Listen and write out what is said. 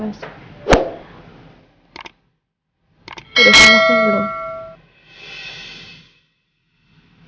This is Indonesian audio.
udah selesai belum